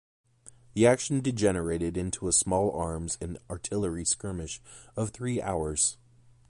The action degenerated into a small-arms and artillery skirmish of three hours.